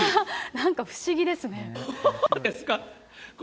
なんか不思議ですね。